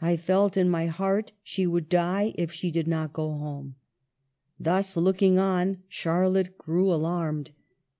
I felt in my heart she would die if she did not go home." Thus looking on, Charlotte grew alarmed.